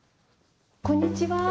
あこんにちは。